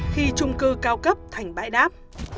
khi trung cư cao cấp thành bãi đáp